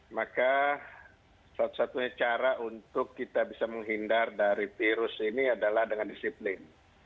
maka satu satunya cara untuk kita bisa menghindar dari virus ini adalah dengan disiplin